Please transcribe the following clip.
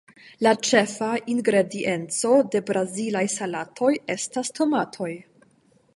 La ĉefa ingredienco de brazilaj salatoj estas tomatoj.